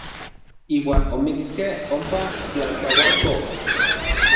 Iuan omikkej ompa tlalkaualko.